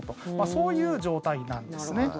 そういう状態なんですね。